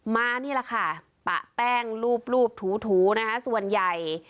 มานี่แหละค่ะปะแป้งรูปถูนะคะส่วนใหญ่